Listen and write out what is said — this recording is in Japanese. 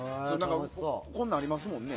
こんなんありますもんね。